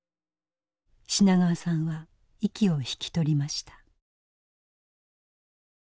品川さんは息を引き取りました。